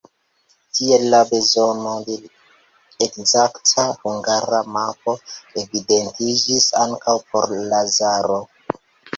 Tiel la bezono de ekzakta Hungara mapo evidentiĝis ankaŭ por Lazaro.